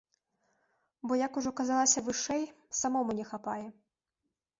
Бо, як ужо казалася вышэй, самому не хапае.